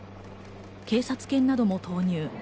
警察犬なども投入。